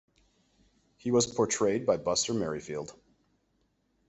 He was portrayed by Buster Merryfield.